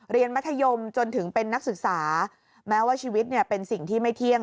มัธยมจนถึงเป็นนักศึกษาแม้ว่าชีวิตเนี่ยเป็นสิ่งที่ไม่เที่ยง